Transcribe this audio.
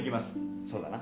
そうだな？